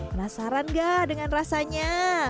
penasaran gak dengan rasanya